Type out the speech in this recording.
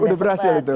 udah berhasil itu